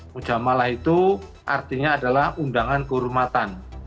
mujamalah itu artinya adalah undangan kehormatan